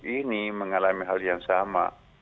ini mengalami hal yang sama